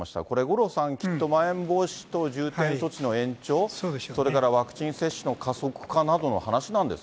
これ、五郎さん、聞くとまん延防止等重点措置の延長、それからワクチン接種の加速